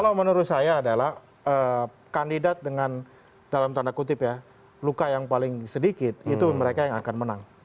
kalau menurut saya adalah kandidat dengan dalam tanda kutip ya luka yang paling sedikit itu mereka yang akan menang